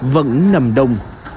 vẫn nằm đồng